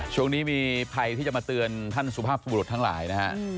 ช่วงนี้มีภัยที่จะมาเตือนท่านสุภาพบุรุษทั้งหลายนะฮะ